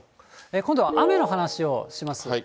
今度は雨の話をします。